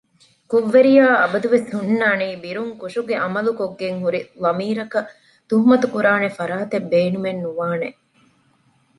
ކުށްވެރިޔާ އަބަދުވެސް ހުންނާނީ ބިރުން ކުށުގެ ޢަމަލު ކޮށްގެންހުރި ޟަމީރަކަށް ތުހުމަތުކުރާނެ ފަރާތެއް ބޭނުމެއް ނުވާނެ